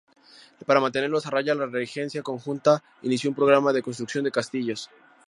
Para mantenerlos a raya, la regencia conjunta inició un programa de construcción de castillos.